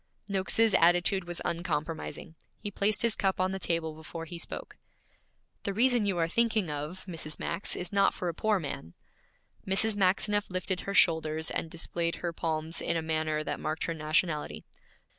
Noakes's attitude was uncompromising. He placed his cup on the table before he spoke. 'The reason you are thinking of, Mrs. Max, is not for a poor man.' Mrs. Maxineff lifted her shoulders and displayed her palms in a manner that marked her nationality.